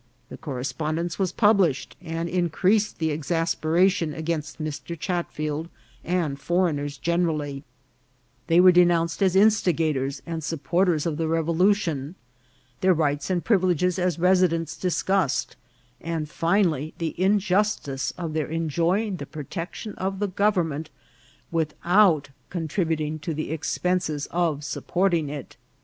The correspondence was published, and increased the exasperation against Mr. Chatfield and foreigners gen erally ; they were denounced as instigators and sup porters of the revolution ; their rights and privileges as residents discussed, and finally the injustice of their en joying the protection of the government ! without con tributing to the expenses of supporting it.